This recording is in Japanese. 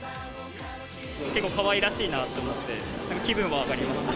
結構かわいらしいなと思って、なんか気分は上がりました。